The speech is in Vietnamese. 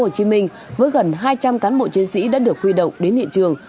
hồ chí minh với gần hai trăm linh cán bộ chiến sĩ đã được huy động đến hiện trường